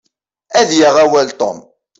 Ad yaɣ awal Tom.